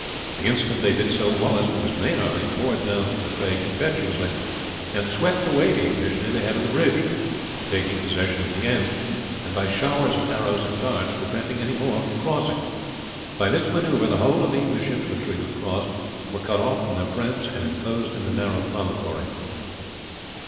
The instant they did so Wallace, with his main army, poured down from the craig impetuously and swept away the English near the head of the bridge, taking possession of the end, and by showers of arrows and darts preventing any more from crossing. By this maneuver the whole of the English infantry who had crossed were cut off from their friends and inclosed in the narrow promontory.